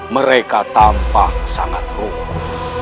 mereka tampak sangat rupuh